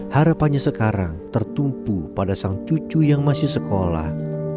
harapannya sekarang tertumpu pada sang cucu yang masih sekolah